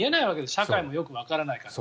社会もよくわからないから。